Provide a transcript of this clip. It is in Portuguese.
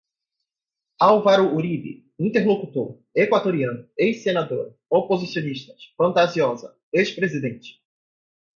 álvaro uribe, interlocutor, equatoriano, ex-senadora, oposicionistas, fantasiosa, ex-presidente